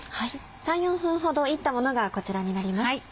３４分ほど炒ったものがこちらになります。